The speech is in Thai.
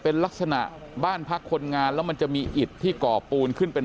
เป็นลักษณะบ้านพักคนงานแล้วมันจะมีอิดที่ก่อปูนขึ้นเป็น